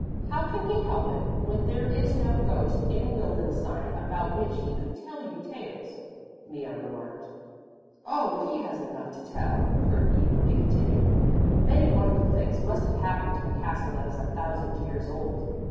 "How can he help it when there is no ghost in Wildenstein about which he could tell you tales," Mea remarked. "Oh, he has enough to tell," Kurt eagerly continued. "Many wonderful things must have happened in a castle that is a thousand years old.